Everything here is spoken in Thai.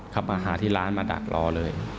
มาหาที่ร้านมาดักรอเลย